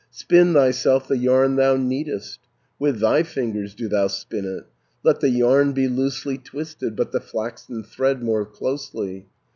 "Spin thyself the yarn thou needest, With thy fingers do thou spin it, Let the yarn be loosely twisted, But the flaxen thread more closely.